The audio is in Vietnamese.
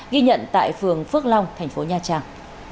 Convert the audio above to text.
ghi nhận tại phường phước long thành phố nha trang